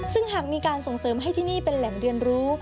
ซึ่งหากมีการส่งเสริมให้ที่นี่เป็นแหล่งเรียนรู้